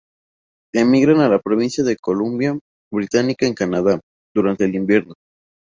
Emigran a la provincia de Columbia Británica en Canadá, durante el invierno.